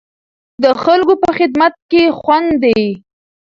د خلکو په خدمت کې خوند دی.